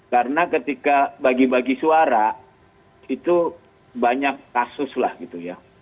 karena ketika bagi bagi suara itu banyak kasus lah gitu ya